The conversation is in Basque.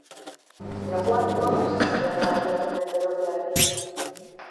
Neguan kontuz izan behar da aukeratzen den berokiarekin.